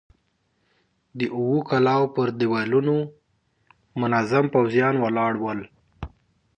د اوو کلاوو پر دېوالونو منظم پوځيان ولاړ ول.